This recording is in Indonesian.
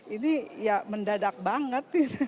ini ya mendadak banget